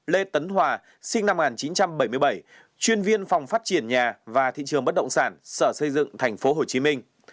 năm lê tấn hòa sinh năm một nghìn chín trăm bảy mươi bảy chuyên viên phòng phát triển nhà và thị trường bất động sản sở xây dựng tp hcm